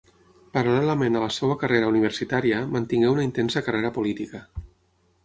Paral·lelament a la seva carrera universitària, mantingué una intensa carrera política.